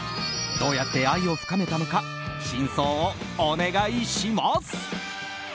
どうやって愛を深めたのか真相をお願いします。